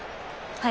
はい。